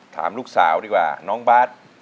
ถามลูกสาวดีกว่าน้องบาท